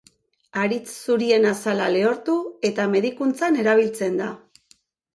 Haritz zurien azala lehortu eta medikuntzan erabiltzen da.